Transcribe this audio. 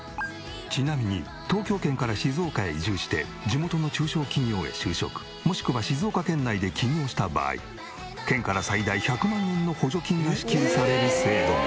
ちなみに東京圏から静岡へ移住して地元の中小企業へ就職もしくは静岡県内で起業した場合県から最大１００万円の補助金が支給される制度も。